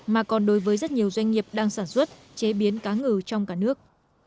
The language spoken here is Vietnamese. mà còn đối với rất nhiều doanh nghiệp đang sản xuất chế biến cá ngừ trong cả nước